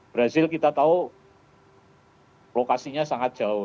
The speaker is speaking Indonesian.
brazil kita tahu lokasinya sangat jauh